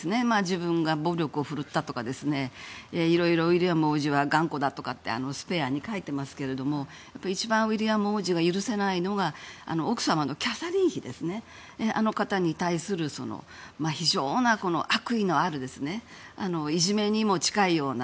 自分が暴力を振るったとかいろいろウィリアム皇太子は頑固だとかって「スペア」に書いてありますが一番、ウィリアム王子が許せないのは奥様のキャサリン妃に対する非常に悪意のあるいじめにも近いような。